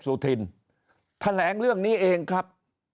สุธินแถลงเรื่องนี้เองครับ